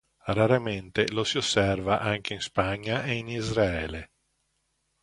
Raramente lo si osserva anche in Spagna e in Israele.